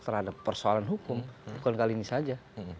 terhadap persoalan hukum bukan kali ini saja